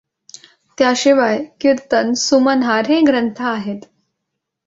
त्यशिवाय कीर्तन सुमनहार हे ग्रंथ आहेत.